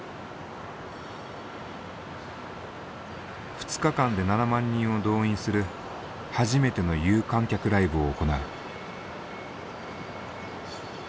２日間で７万人を動員する初めての有観客ライブを行う。